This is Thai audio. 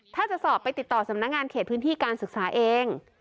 ถ้าจะสอบไปติดต่อสำนักงานเขตพื้นที่การศึกษาเอง